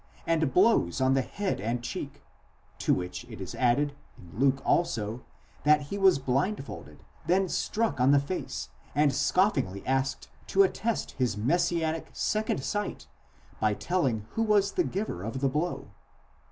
τὸ πρόσωπον αὐτοῦ), and blows on the head and cheek, to which it is added, in Luke also, that he was blindfolded, then struck on the face, and scoffingly asked to attest his messianic second sight by telling who was the giver of the blow.